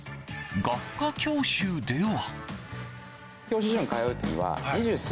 学科教習では。